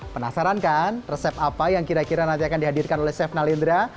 penasaran kan resep apa yang kira kira nanti akan dihadirkan oleh chef nalindra